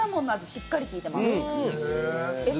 しっかり効いてます。